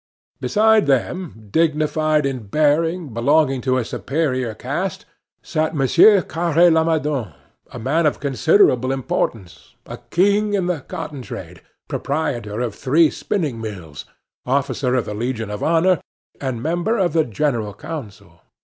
Beside them, dignified in bearing, belonging to a superior caste, sat Monsieur Carre Lamadon, a man of considerable importance, a king in the cotton trade, proprietor of three spinning mills, officer of the Legion of Honor, and member of the General Council.